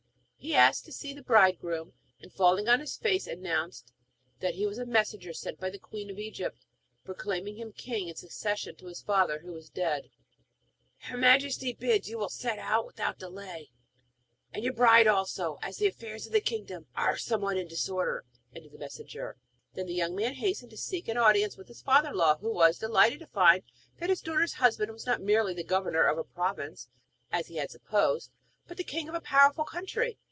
He asked to see the bridegroom, and falling on his face announced that he was a messenger sent by the queen of Egypt, proclaiming him king in succession to his father, who was dead. 'Her Majesty begs you will set out without delay, and your bride also, as the affairs of the kingdom are somewhat in disorder,' ended the messenger. Then the young man hastened to seek an audience of his father in law, who was delighted to find that his daughter's husband was not merely the governor of a province, as he had supposed, but the king of a powerful country.